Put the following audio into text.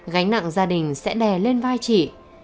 gánh nặng gia đình sẽ đè lên vai chị